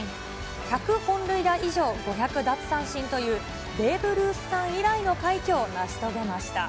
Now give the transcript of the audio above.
１００本塁打以上、５００奪三振という、ベーブ・ルースさん以来の快挙を成し遂げました。